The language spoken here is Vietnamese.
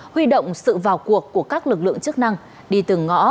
huy động sự vào cuộc của các lực lượng chức năng